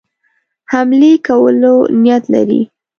حملې کولو نیت لري.